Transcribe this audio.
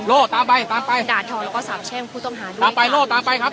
ตามไปตามไปด่าทอแล้วก็สาบแช่มผู้ต้องหาด้วยตามไปโล่ตามไปครับ